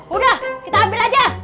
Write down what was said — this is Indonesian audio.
udah kita ambil aja